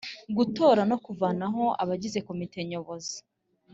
Gutora no kuvanaho abagize komite Nyobozi